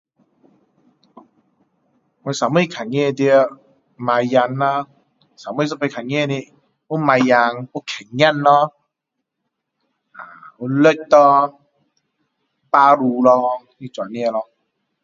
我最后看见到猫仔啦最后一次看见的有猫仔有狗仔咯啊有鹿咯白兔咯就是这样咯